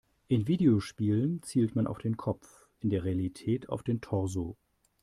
In Videospielen zielt man auf den Kopf, in der Realität auf den Torso.